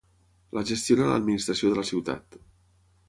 La gestiona l'administració de la ciutat.